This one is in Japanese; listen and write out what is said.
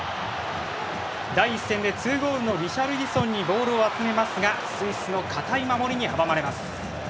第１戦で２ゴールのリシャルリソンにボールを集めますがスイスの堅い守りに阻まれます。